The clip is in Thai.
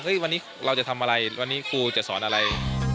วันนี้เราจะทำอะไรวันนี้ครูจะสอนอะไร